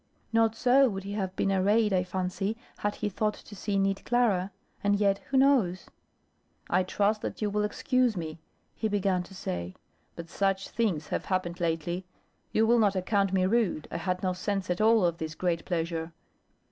Not so would he have been arrayed, I fancy, had he thought to see neat Clara. And yet, who knows? "I trust that you will excuse me," he began to say, "but such things have happened lately you will not account me rude I had no sense at all of this great pleasure."